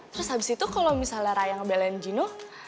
terus abis itu kalo misalnya raya ngebelen jino